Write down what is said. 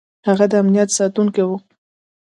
هغه د امنیت ساتونکی و.